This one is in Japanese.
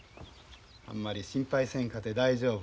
あんまり心配せんかて大丈夫や。